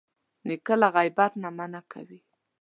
نیکه له غیبت نه منع کوي.